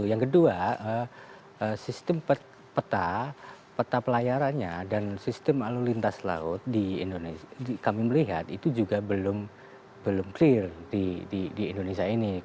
yang kedua sistem peta peta pelayarannya dan sistem lalu lintas laut di indonesia kami melihat itu juga belum clear di indonesia ini